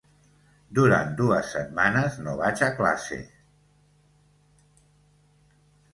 Durant dues setmanes no vaig a classe.